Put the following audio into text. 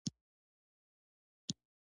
په توکو کې خرابوالی بل لامل دی.